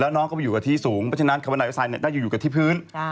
แล้วน้องก็อยู่กับที่สูงเพราะฉะนั้นขบันไดออสไซน์น่าจะอยู่กับที่พื้น